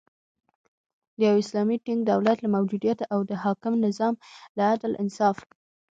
د یو اسلامی ټینګ دولت له موجودیت او د حاکم نظام له عدل، انصاف